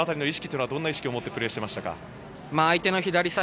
あの辺りの意識はどうもってプレーしていましたか。